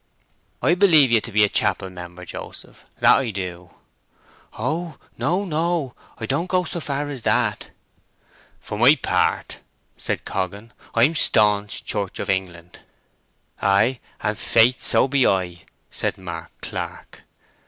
"I believe ye to be a chapelmember, Joseph. That I do." "Oh, no, no! I don't go so far as that." "For my part," said Coggan, "I'm staunch Church of England." "Ay, and faith, so be I," said Mark Clark.